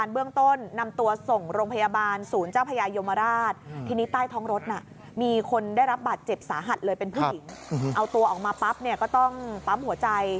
เอาตัวออกมาปั๊บเนี่ยก็ต้องปั๊มหัวใจ